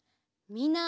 みんな。